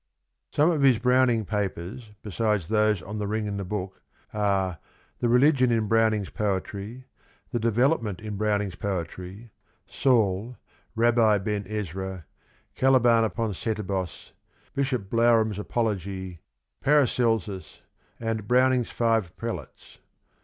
FOREWORD xi Some of his Browning papers besides those on The Ring and the Book are "The Religion in Browning's Poetry," "The Development in Browning's Poetry," "Saul," "Rabbi Ben Ezra," "Caliban upon Setebos," "Bishop Blougram's Apology," "Paracelsus," and "Browning's Five Prelates."